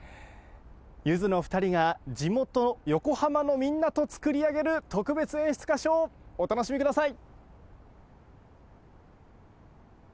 ゆずの２人が地元横浜のみんなとつくり上げる特別演出歌唱をお楽しみください。